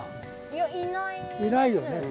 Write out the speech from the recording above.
いないよね。